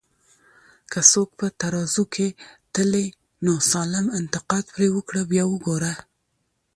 که څوک په ترازو کي تلې، نو سالم انتقاد پرې وکړه بیا وګوره